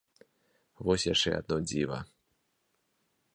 Вось яшчэ адно дзіва.